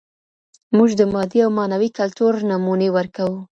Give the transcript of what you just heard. موږ د مادي او معنوي کلتور نمونې ورکوو.